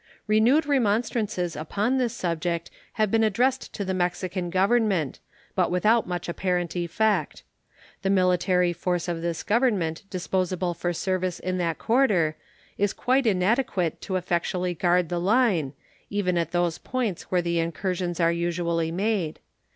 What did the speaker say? Renewed remonstrances upon this subject have been addressed to the Mexican Government, but without much apparent effect. The military force of this Government disposable for service in that quarter is quite inadequate to effectually guard the line, even at those points where the incursions are usually made.